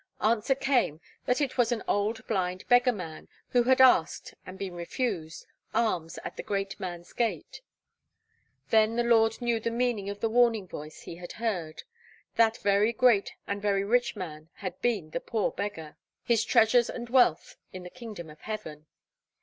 Answer came that it was an old blind beggar man, who had asked, and been refused, alms at the great man's gate. Then the lord knew the meaning of the warning voice he had heard: that very great and very rich man had been the poor beggar his treasures and wealth in the kingdom of heaven.